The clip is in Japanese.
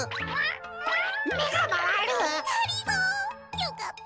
よかった。